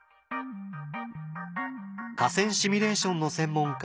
河川シミュレーションの専門家